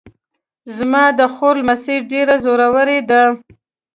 زما د خور لمسی ډېر زړور ده